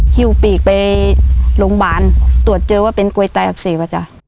ฮิวปีกไปโรงพยาบาลตรวจเจอว่าเป็นกลวยตายอักเสบอ่ะจ้ะ